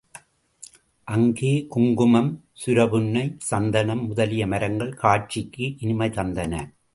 அங்கே குங்குமம், சுரபுன்னை, சந்தனம் முதலிய மரங்கள் காட்சிக்கு இனிமை தந்தன.